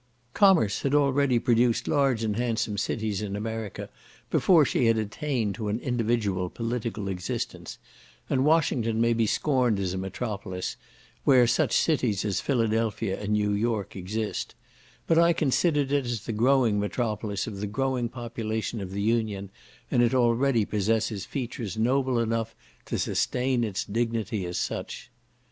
Commerce had already produced large and handsome cities in America before she had attained to an individual political existence, and Washington may be scorned as a metropolis, where such cities as Philadelphia and New York exist; but I considered it as the growing metropolis of the growing population of the Union, and it already possesses features noble enough to sustain its dignity as such.